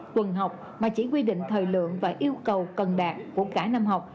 tuần học mà chỉ quy định thời lượng và yêu cầu cần đạt của cả năm học